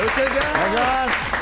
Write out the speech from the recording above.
お願いします！